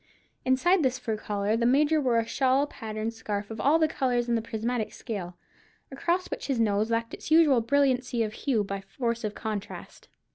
Inside this fur collar the Major wore a shawl patterned scarf of all the colours in the prismatic scale, across which his nose lacked its usual brilliancy of hue by force of contrast.